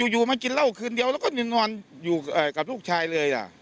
อยู่มากินเหล้าคืนเดียวแล้วก็ยังนอนอยู่กับลูกชายเลย